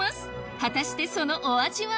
果たしてそのお味は？